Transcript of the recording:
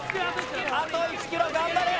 あと１ｋｍ頑張れ。